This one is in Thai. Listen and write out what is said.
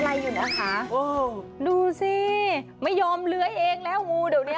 อะไรอยู่นะคะโอ้ดูสิไม่ยอมเลื้อยเองแล้วงูเดี๋ยวเนี้ย